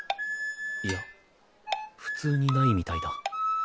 いや普通にないみたいだ。